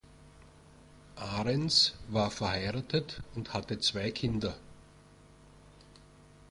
Ahrens war verheiratet und hatte zwei Kinder.